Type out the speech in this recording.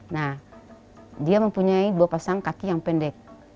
nah dia mempunyai dua pasang kaki yang pendek